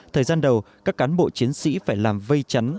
thời gian đầu các cán bộ chiến sĩ phải làm vây chắn